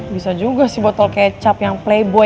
bisa juga sih botol kecap yang playboy